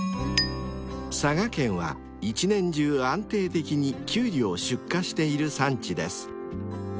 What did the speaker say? ［佐賀県は一年中安定的にキュウリを出荷している産地です］